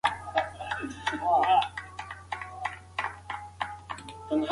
زموږ هيواد ډېر هسک غرونه لري